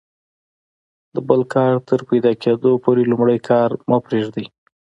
د بل کار تر پیدا کیدلو پوري لومړی کار مه پرېږئ!